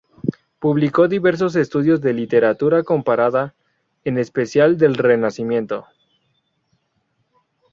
Publicó diversos estudios de Literatura comparada, en especial del Renacimiento.